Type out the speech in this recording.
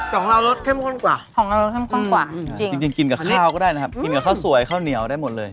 ของเรารสเข้มข้นกว่าจริงกินกับข้าวก็ได้นะครับกินกับข้าวสวยข้าวเหนียวได้หมดเลย